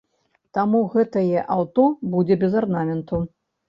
Таму гэтае аўто будзе без арнаменту.